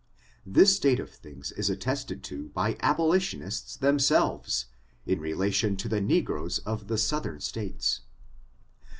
This state of things is attested to by abolitionists themselves, in relation to the negroes of the southern states.